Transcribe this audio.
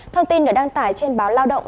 thông tin đã đăng tải trên báo lao động